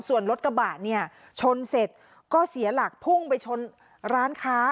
ส่วนรถกระบะเนี่ยชนเสร็จก็เสียหลักพุ่งไปชนร้านค้า